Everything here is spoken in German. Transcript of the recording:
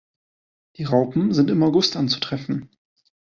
Die Raupen sind im August anzutreffen.